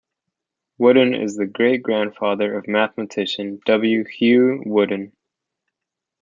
Woodin is the great-grandfather of mathematician W. Hugh Woodin.